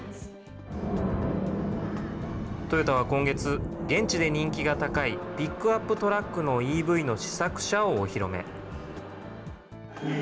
トヨタは今月、現地で人気が高いピックアップトラックのＥＶの試作車をお披露目。